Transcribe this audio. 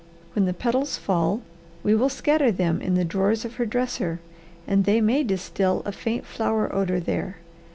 When the petals fall we will scatter them in the drawers of her dresser, and they may distil a faint flower odour there.